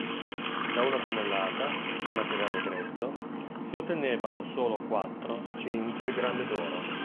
Da una tonnellata, di materiale grezzo, si ottenevano solo quattro, cinque grammi d'oro.